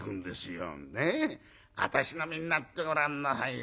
ねえ私の身になってごらんなさいよ。